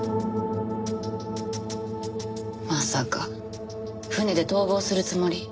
まさか船で逃亡するつもり？